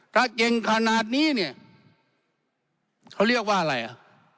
ถ้าเก่งขนาดนี้เนี่ยเขาเรียกว่าอะไรอ่ะ